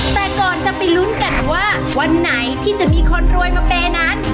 แต่ก่อนจะไปลุ้นกันว่าวันไหนที่จะมีคนรวยมาเปย์นั้น